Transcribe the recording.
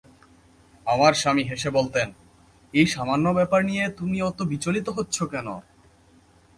আমার স্বামী হেসে বলতেন, এই সামান্য ব্যাপার নিয়ে তুমি অত বিচলিত হচ্ছ কেন?